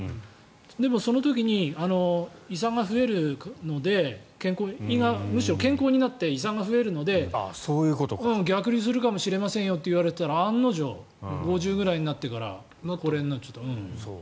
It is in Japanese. でもその時に胃酸が増えるので胃がむしろ健康になって胃酸が増えるので逆流するかもしれませんよと言われたら案の定、５０くらいになってからこれになっちゃった。